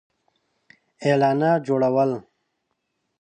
-اعلانات جوړو ل